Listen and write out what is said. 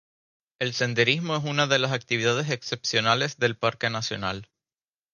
El senderismo es una de las actividades excepcionales del parque nacional.